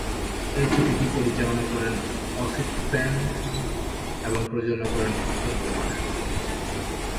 এই ছবিটি পরিচালনা করেন অসিত সেন এবং প্রযোজনা করেন উত্তম কুমার।